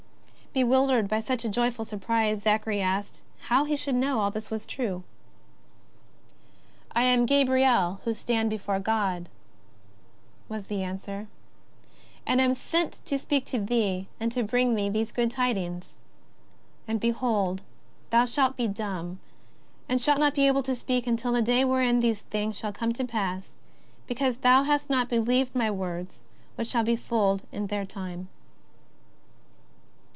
Bewildered by such a joyful surprise, Zachary asked how he should know all this was true. " I am Gabriel, who stand before God," was the answer, " and am sent to speak to thee, and to bring thee these good tidings. And, behold, thou shalt be dumb, and shalt not be able to speak until the day wherein these things shall come to pass, because thou hast not believed my words which shall be fulfilled in their time."